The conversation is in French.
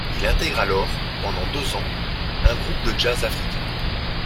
Il intègre alors, pendant deux ans, un groupe de jazz africain.